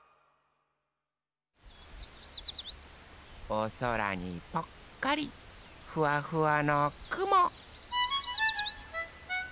おそらにぽっかりふわふわのくも。